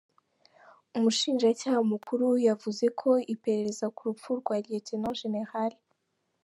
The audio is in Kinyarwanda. Umushinjacyaha mukuru yavuze ko iperereza ku rupfu rwa Lt Gen.